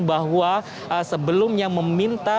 bahwa sebelumnya meminta